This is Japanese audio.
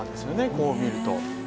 こう見ると。